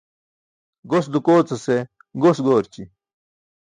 Gos dukoocase gos goorći.